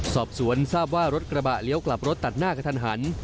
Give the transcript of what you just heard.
สอบสวนทราบว่ารถกระบะเลี้ยวกลับรถตัดหน้ากระทันหัน